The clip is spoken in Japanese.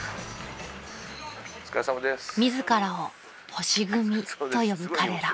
［自らを星組と呼ぶ彼ら］